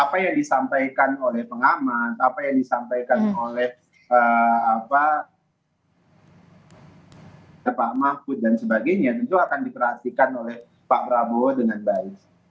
apa yang disampaikan oleh pengamat apa yang disampaikan oleh pak mahfud dan sebagainya tentu akan diperhatikan oleh pak prabowo dengan baik